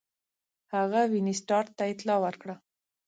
هغه وینسیټارټ ته اطلاع ورکړه.